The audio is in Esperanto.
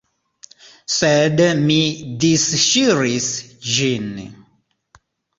Sed mi disŝiris ĝin.